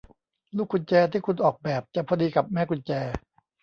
ลูกกุญแจที่คุณออกแบบจะพอดีกับแม่กุญแจ